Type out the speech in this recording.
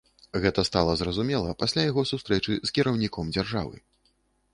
Гэта стала зразумела пасля яго сустрэчы з кіраўніком дзяржавы.